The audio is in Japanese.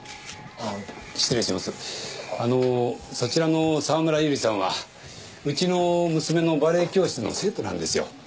あのそちらの沢村百合さんはうちの娘のバレエ教室の生徒なんですよ